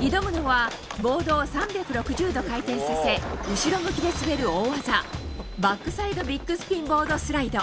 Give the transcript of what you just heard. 挑むのはボードを３６０度回転させ後ろ向きで滑る大技バックサイドビックスピンボードスライド。